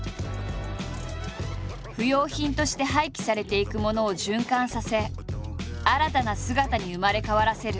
不用品として廃棄されていくものを循環させ新たな姿に生まれ変わらせる。